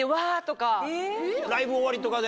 ライブ終わりとかで。